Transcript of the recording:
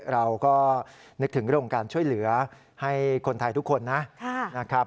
เราก็นึกถึงโครงการช่วยเหลือให้คนไทยทุกคนนะ